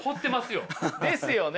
ですよね。